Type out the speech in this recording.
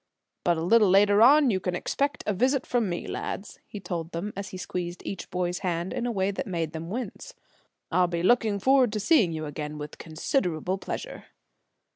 "But a little later on you can expect a visit from me, lads," he told them, as he squeezed each boy's hand in a way that made them wince. "I'll be looking forward to seeing you again with considerable pleasure."